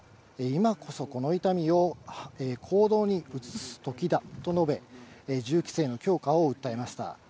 今こそこの痛みを行動に移すときだと述べ、銃規制の強化を訴えました。